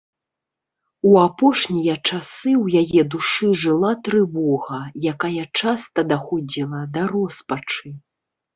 У апошнія часы ў яе душы жыла трывога, якая часта даходзіла да роспачы.